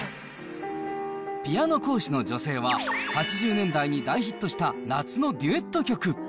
ピアノ講師の女性は、８０年代に大ヒットした夏のデュエット曲。